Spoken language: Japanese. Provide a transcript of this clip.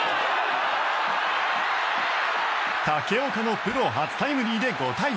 武岡のプロ初タイムリーで５対０。